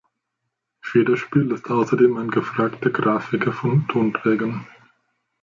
Federspiel ist ausserdem ein gefragter Grafiker von Tonträgern.